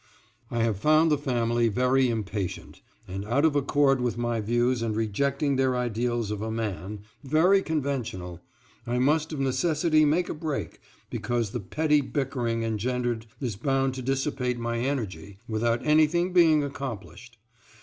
I have found the family very impatient, and out of accord with my views and rejecting their ideals of a man very conventional I must of necessity make a break, because the petty bickering engendered is bound to dissipate my energy without anything being accomplished.